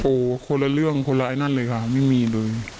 โอ้โหคนละเรื่องคนละไอ้นั่นเลยค่ะไม่มีเลย